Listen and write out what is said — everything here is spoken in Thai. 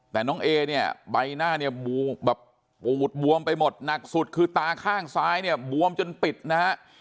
แต่น้องเอเนี่ยใบหน้าเนี่ยแบบปูดบวมไปหมดหนักสุดคือตาข้างซ้ายเนี่ยบวมจนปิดนะฮะ